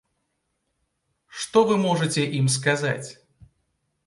Што вы можаце ім сказаць?